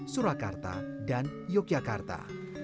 surakarta dan yogyakarta